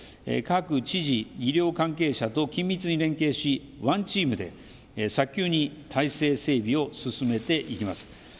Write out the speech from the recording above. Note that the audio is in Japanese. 各知事、医療関係者と緊密に連携し、ワンチームで早急に体制整備を進めてまいります。